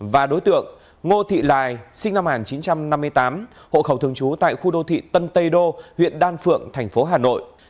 và đối tượng ngô thị lài sinh năm một nghìn chín trăm năm mươi tám hộ khẩu thường trú tại khu đô thị tân tây đô huyện đan phượng thành phố hà nội